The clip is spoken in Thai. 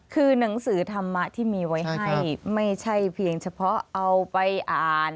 คือหนังสือธรรมะที่มีไว้ให้ไม่ใช่เพียงเฉพาะเอาไปอ่าน